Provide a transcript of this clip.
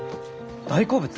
大好物？